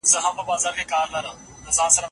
نجلۍ له شرمه پټه ساتل کېږي.